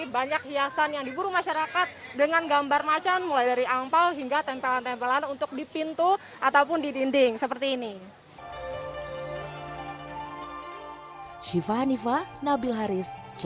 banyak hiasan yang diburu masyarakat dengan gambar macan mulai dari angpao hingga tempelan tempelan untuk di pintu ataupun di dinding seperti ini